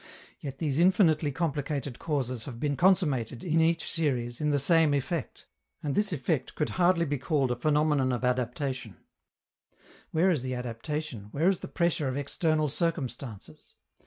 Yet these infinitely complicated causes have been consummated, in each series, in the same effect. And this effect, could hardly be called a phenomenon of "adaptation": where is the adaptation, where is the pressure of external circumstances?